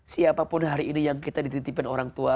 siapapun hari ini yang kita dititipin orang tua